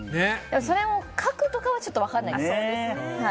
それを書くとかはちょっと分からないです。